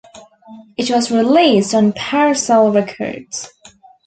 It was released on Parasol Records.